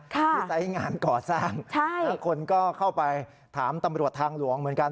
ไซส์งานก่อสร้างแล้วคนก็เข้าไปถามตำรวจทางหลวงเหมือนกัน